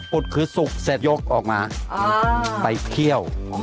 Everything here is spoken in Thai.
อุดคือสุกเสร็จยกออกมาไปเคี่ยว